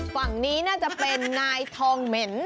ฝั่งนี้น่าจะเป็นนายทองเหม็น